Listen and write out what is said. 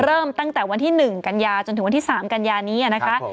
เริ่มตั้งแต่วันที่๑กันยาจนถึงวันที่๓กันยานี้นะคะ